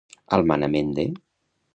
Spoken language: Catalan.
Al manament de.